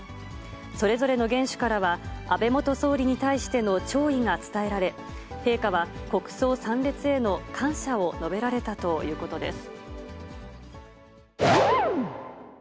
それぞれの元首からは、安倍元総理に対しての弔意が伝えられ、陛下は、国葬参列への感謝を述べられたということです。